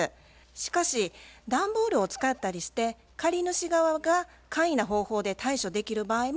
しかし段ボールを使ったりして借り主側が簡易な方法で対処できる場合もあると思います。